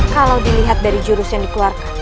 kalau dilihat dari jurus yang dikeluarkan